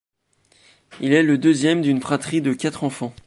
Il est le deuxième d'une fratrie de quatre enfants.